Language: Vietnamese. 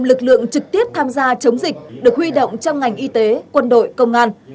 lực lượng trực tiếp tham gia chống dịch được huy động trong ngành y tế quân đội công an